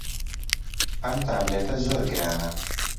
ئەم تابلێتە زۆر گرانە.